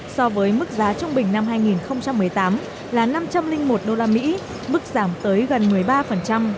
so với mức giá trung bình năm hai nghìn một mươi tám là năm trăm linh một usd mức giảm tới gần một mươi ba